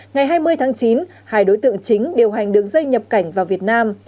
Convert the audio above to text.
ngày hai mươi tháng chín hai đối tượng chính điều hành đường dây nhập cảnh vào việt nam